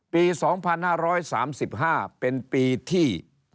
ปี๒๕๓๕เป็นปีที่